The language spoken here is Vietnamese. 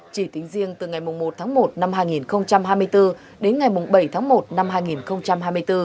chỉ tính riêng từ ngày một tháng một năm hai nghìn hai mươi bốn đến ngày bảy tháng một năm hai nghìn hai mươi bốn